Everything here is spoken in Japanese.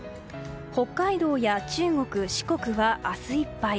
北海道や中国、四国が明日いっぱい。